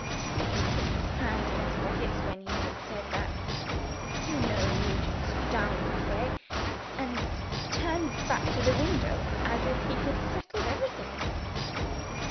He put his hands in his pockets when he had said that (you know Nugent's downright way) and turned back to the window as if he had settled everything."